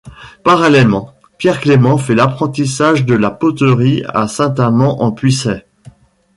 Parallèlement, Pierre Clément fait l'apprentissage de la poterie à Saint-Amand-en-Puisaye.